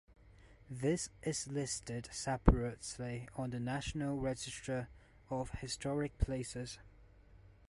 This is listed separately on the National Register of Historic Places.